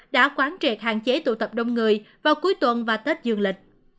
đã quán triệt hạn chế tụ tập đông người vào cuối tuần và tết dương lịch